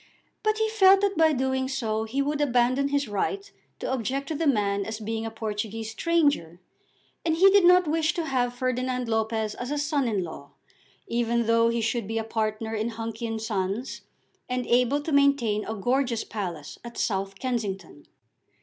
But he felt that by doing so he would abandon his right to object to the man as being a Portuguese stranger, and he did not wish to have Ferdinand Lopez as a son in law, even though he should be a partner in Hunky and Sons, and able to maintain a gorgeous palace at South Kensington.